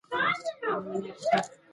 په وطن کې د خلکو اقتصادي حالت ښه نه دی.